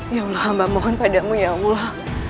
ya allah mbak mohon padamu ya allah